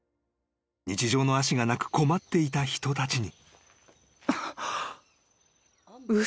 ［日常の足がなく困っていた人たちに］